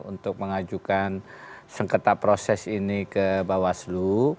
untuk mengajukan sengketa proses ini ke bawaslu